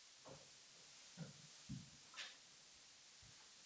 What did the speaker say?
Opakovaně jsme o to Radu žádali, ale marně.